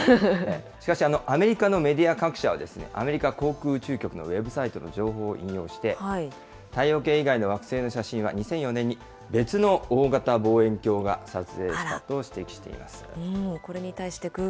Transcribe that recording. しかし、アメリカのメディア各社は、アメリカ航空宇宙局のウェブサイトの情報を引用して、太陽系以外の惑星の写真は、２００４年に別の大型望遠鏡が撮影したと指摘しています。